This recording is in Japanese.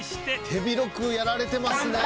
手広くやられてますね！